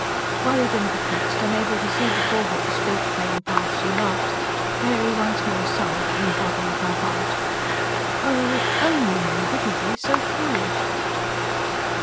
Worried and perplexed, unable to see before her the straight plain path she loved, Mary once more sighed from the bottom of her heart. "Oh if ONLY men wouldn't be so foolish!"